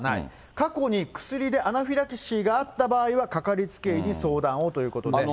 過去に薬でアナフィラキシーがあった場合は、掛かりつけ医に相談をということで。